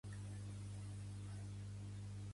Ariadna Pujol i Feixas és una advocada nascuda a Girona.